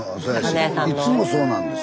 いつもそうなんです。